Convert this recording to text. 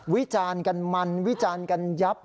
วิจารณ์กันมันวิจารณ์กันยับ